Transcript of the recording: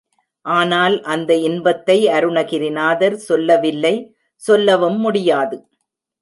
ஆனால் அந்த இன்பத்தை அருணகிரிநாதர் சொல்லவில்லை சொல்லவும் முடியாது.